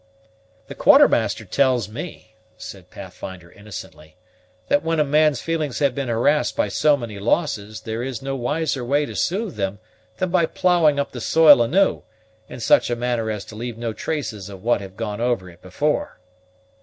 "The Quartermaster tells me," said Pathfinder innocently, "that when a man's feelings have been harassed by so many losses, there is no wiser way to soothe them than by ploughing up the soil anew, in such a manner as to leave no traces of what have gone over it before."